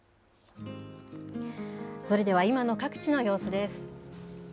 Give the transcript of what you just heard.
それでは、今の各地の様子です。